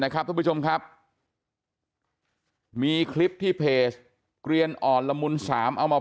นะครับทุกผู้ชมครับมีคลิปที่เพจเกรียญอ่อนละมุนสามเอามา